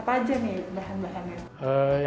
apa aja nih bahan bahannya